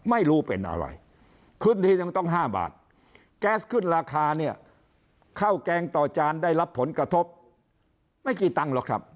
ไม่รู้เป็นอะไรขึ้นทีนึงต้อง๕บาทแก๊สขึ้นราคาเนี่ยข้าวแกงต่อจานได้รับผลกระทบไม่กี่ตังค์หรอกครับ